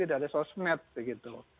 dari sosmed gitu